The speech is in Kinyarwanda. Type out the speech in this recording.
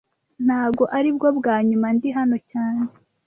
Ntago aribwo bwa nyuma ndi hano cyane